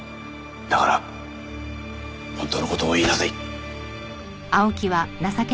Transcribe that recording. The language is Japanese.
だから本当の事を言いなさい。